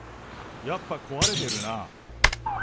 やっぱ壊れてるなぁ。